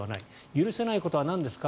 許せないことはなんですか？